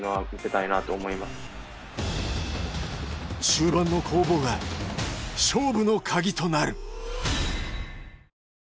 中盤の攻防が勝負の鍵となる。